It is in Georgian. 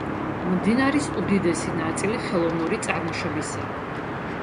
მდინარის უდიდესი ნაწილი ხელოვნური წარმოშობისაა.